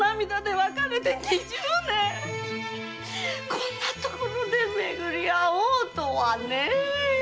こんなところでめぐり会おうとはねえ！